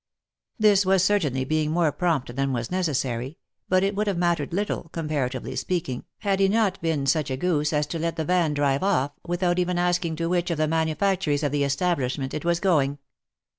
This was certainly being more prompt than was necessary, but it would have mattered little, comparatively speaking, had he not been such a goose as to let the van drive off, without even asking to which of the manufactories of the establishment it was going.